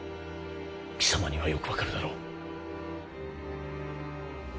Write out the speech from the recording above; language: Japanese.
貴様にはよく分かるだろう？